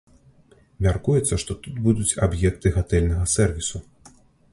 Мяркуецца, што тут будуць аб'екты гатэльнага сэрвісу.